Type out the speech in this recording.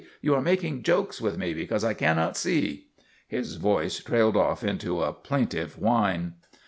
You are making jokes with me because I cannot see." His voice trailed off into a plaintive whine.